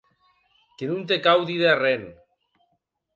Que non te cau díder arren.